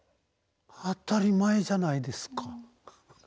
当たり前じゃないですか。